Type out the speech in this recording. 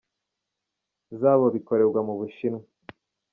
Zabo bikorerwa mu Bushinwa.